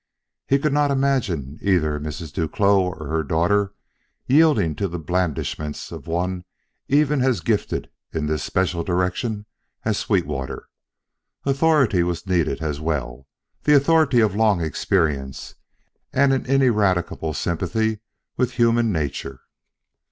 He could not imagine either Mrs. Duclos or her daughter yielding to the blandishments of one even as gifted in this special direction as Sweetwater. Authority was needed as well the authority of long experience and an ineradicable sympathy with human nature.